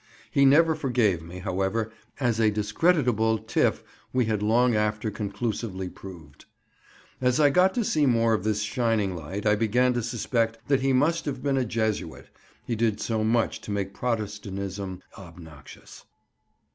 He never forgave me, however, as a discreditable tiff we had long after conclusively proved. As I got to see more of this shining light I began to suspect that he must have been a Jesuit, he did so much to make Protestantism obnoxious.